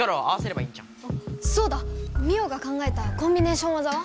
あそうだ！ミオが考えたコンビネーションわざは？